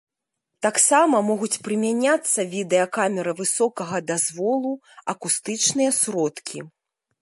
Таксама могуць прымяняцца відэакамеры высокага дазволу, акустычныя сродкі.